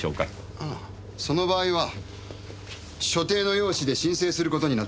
ああその場合は所定の用紙で申請する事になっています。